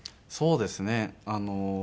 そうですね。